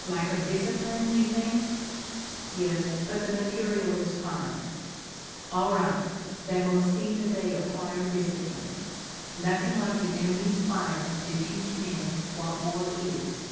"Lack of discipline, you think?" "Yes, but the material is fine." "All right. Then we'll see that they acquire discipline. Nothing like the enemy's fire to teach men what war is."